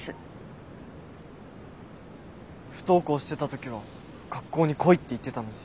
不登校してた時は学校に来いって言ってたのに。